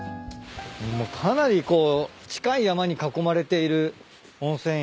かなりこう近い山に囲まれている温泉宿だね。